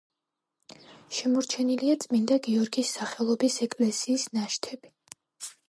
შემორჩენილია წმინდა გიორგის სახელობის ეკლესიის ნაშთები.